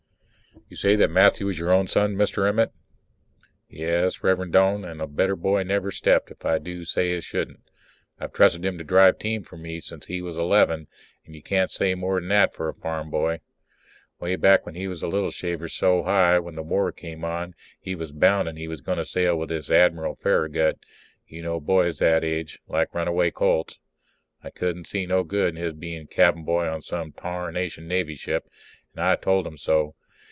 You say that Matthew is your own son, Mr. Emmett? Yes, Rev'rend Doane, and a better boy never stepped, if I do say it as shouldn't. I've trusted him to drive team for me since he was eleven, and you can't say more than that for a farm boy. Way back when he was a little shaver so high, when the war came on, he was bounden he was going to sail with this Admiral Farragut. You know boys that age like runaway colts. I couldn't see no good in his being cabin boy on some tarnation Navy ship and I told him so.